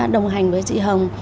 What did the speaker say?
đồng hành với chị hồng